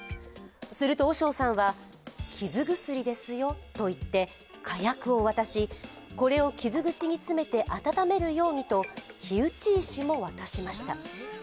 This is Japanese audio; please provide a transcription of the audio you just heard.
すると和尚さんは、傷薬ですよといって火薬を渡し、それを傷口に詰めて温めるようにと火打ち石も渡しました。